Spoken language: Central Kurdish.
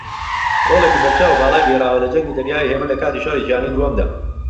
ڕۆڵێکی بەرچاو و باڵای گێڕاوە لە جەنگی دەریای ھێمن لەکاتی شەڕی جیهانی دووەمدا